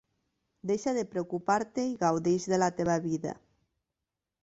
Deixa de preocupar-te i gaudeix de la teva vida.